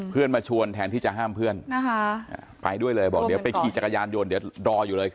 มาชวนแทนที่จะห้ามเพื่อนนะคะไปด้วยเลยบอกเดี๋ยวไปขี่จักรยานยนต์เดี๋ยวรออยู่เลย